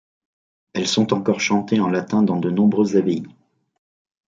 Elles sont encore chantées en latin dans de nombreuses abbayes.